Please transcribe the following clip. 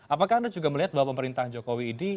apakah anda juga melihat bahwa pemerintahan jokowi ini